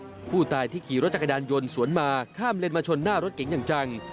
ผู้ตายที่ขี่รถจักรยานยนต์สวนมาข้ามเลนมาชนหน้ารถเก๋งอย่างจัง